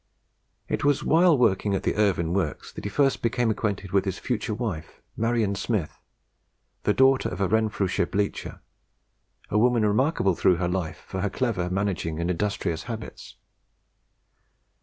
It was while working at the Irvine Works that he first became acquainted with his future wife, Marion Smith, the daughter of a Renfrewshire bleacher, a woman remarkable through life for her clever, managing, and industrious habits.